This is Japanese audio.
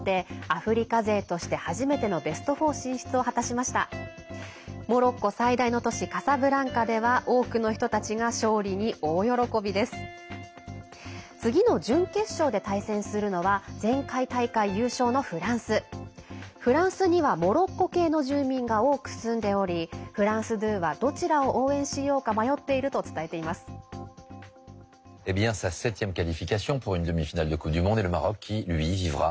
フランスにはモロッコ系の住民が多く住んでおりフランス２はどちらを応援しようか迷っていると伝えています。